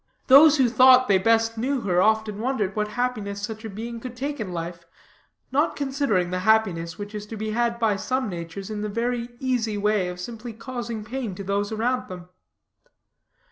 Those who thought they best knew her, often wondered what happiness such a being could take in life, not considering the happiness which is to be had by some natures in the very easy way of simply causing pain to those around them.